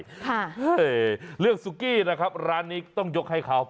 ค่ะเอ่อเรื่องซุกี้นะครับร้านนี้ต้องยกให้เขา